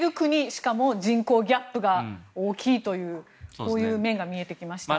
しかも人口ギャップが大きいというこういう面が見えてきました。